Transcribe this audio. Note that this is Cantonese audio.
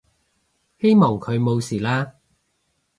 希望佢冇事啦